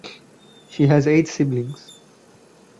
She has eight siblings.